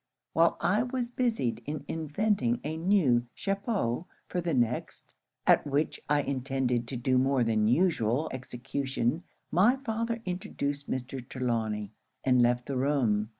While I was busied in inventing a new chapeau for the next, at which I intended to do more than usual execution, my father introduced Mr. Trelawny, and left the room.